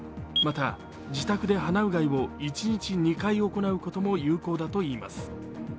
また自宅で鼻うがいを一日２回行うことも有効だといいます。